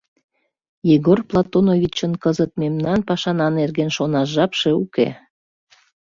— Егор Платоновичын кызыт мемнан пашана нерген шонаш жапше уке.